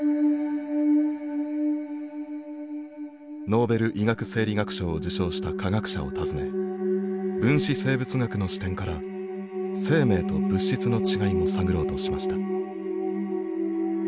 ノーベル医学生理学賞を受賞した科学者を訪ね分子生物学の視点から生命と物質の違いも探ろうとしました。